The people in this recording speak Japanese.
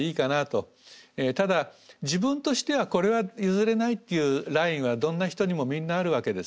ただ自分としてはこれは譲れないというラインはどんな人にもみんなあるわけですね。